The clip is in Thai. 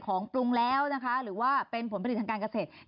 ของปรุงแล้วนะคะหรือว่าเป็นผลประดิษฐ์ทางการเกษตร